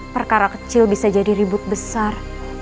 perkara kecil bisa jadi ribut besar